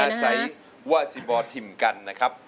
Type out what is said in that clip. อาศัยว่าซิบอลทิมกันนะครับ